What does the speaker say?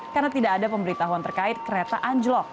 karena tidak ada pemberitahuan terkait kereta anjlok